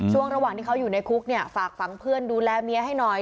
ระหว่างที่เขาอยู่ในคุกเนี่ยฝากฝังเพื่อนดูแลเมียให้หน่อย